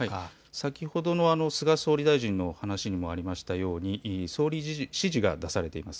先ほどの菅総理大臣の話にも思ったように総理指示が出されています。